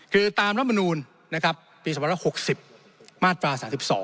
คือตามรับบรรณูนนะครับปี๑๙๖๐มาตรฟา๓๒